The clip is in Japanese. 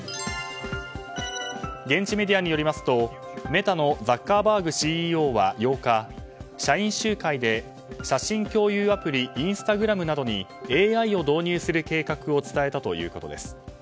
現地メディアによりますとメタのザッカーバーグＣＥＯは８日社員集会で写真共有アプリインスタグラムなどにＡＩを導入する計画を伝えたということです。